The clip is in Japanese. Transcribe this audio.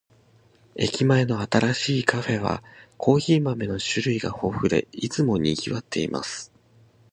駅前の新しいカフェは、コーヒー豆の種類が豊富で、いつも賑わっています。